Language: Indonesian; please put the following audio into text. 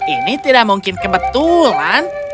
ini tidak mungkin kebetulan